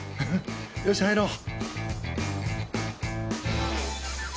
よし、入ろう。